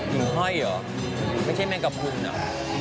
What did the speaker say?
หนูห้อยเหรอไม่ใช่แมงกระพุนอ่ะ